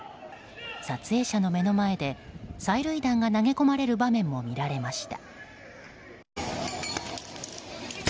撮影者の目の前で、催涙弾が投げ込まれる場面もみられました。